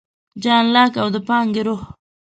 جان لاک او د پانګې روح